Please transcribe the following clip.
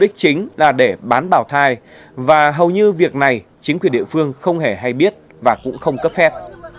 lợi ích chính là để bán bảo thai và hầu như việc này chính quyền địa phương không hề hay biết và cũng không cấp phép